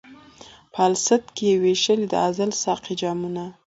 په الست کي یې وېشلي د ازل ساقي جامونه